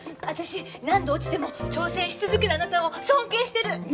私何度落ちても挑戦し続けるあなたを尊敬してる。